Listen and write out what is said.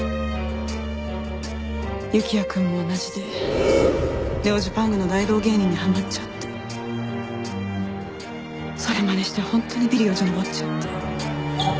幸矢くんも同じでネオ・ジパングの大道芸人にハマっちゃってそれまねして本当にビルよじ登っちゃって。